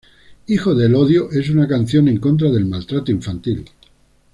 Hijos del odio es una canción en contra del maltrato infantil.